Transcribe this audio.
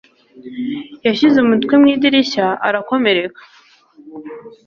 Yashyize umutwe mu idirishya ara komereka.